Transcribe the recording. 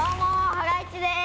ハライチです。